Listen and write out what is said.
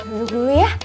duduk dulu ya